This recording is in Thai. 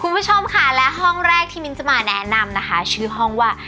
คุณผู้ชมค่ะและห้องแรกที่มิ้นจะมาแนะนำนะคะชื่อห้องว่า